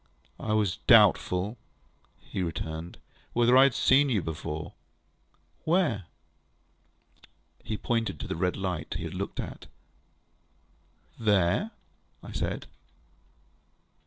ŌĆØ ŌĆ£I was doubtful, ŌĆØ he returned, ŌĆ£whether I had seen you before. ŌĆØ ŌĆ£Where? ŌĆØ He pointed to the red light he had looked at. ŌĆ£There? ŌĆØ I said.